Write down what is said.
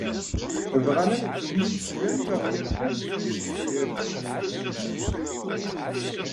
Bɣan ad teddum yid-sen am yeɣyal kan deffir izgaren.